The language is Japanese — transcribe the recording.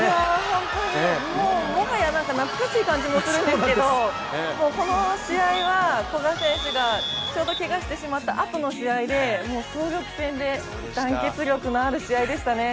本当に、もはや懐かしい感じもするんですけどこの試合は古賀選手がちょうどけがしてしまったあとの試合で総力戦で団結力のある試合でしたね。